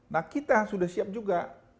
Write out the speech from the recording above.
nah kita sudah siap juga